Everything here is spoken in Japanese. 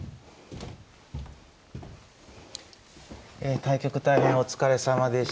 え対局大変お疲れさまでした。